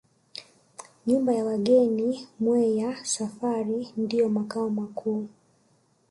Nyumba ya wageni Mweya Safari ndiyo makao makuu